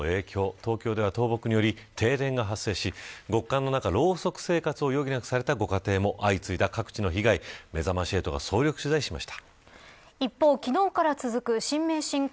東京では倒木により停電が発生し極寒の中ろうそく生活を余儀なくされたご家庭も相次いだご家庭をめざまし８が総力取材しました。